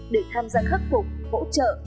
để tham gia khắc phục hỗ trợ